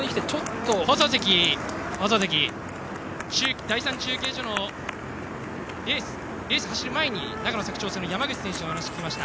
放送席、第３中継所のレースを走る前に長野・佐久長聖の山口選手の話を聞きました。